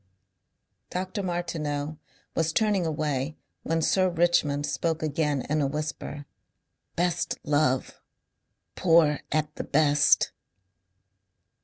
Dr. Martineau was turning away when Sir Richmond spoke again in a whisper. "Best love...Poor at the best...."